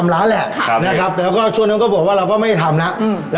แล้วมาทำด้วยกันนี่ไม่กลัวเหรอ